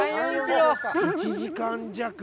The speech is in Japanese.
１時間弱。